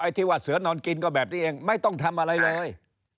ที่ว่าเสือนอนกินก็แบบนี้เองไม่ต้องทำอะไรเลย